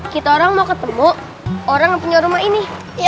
kita orang mau ketemu orang yang punya rumah ini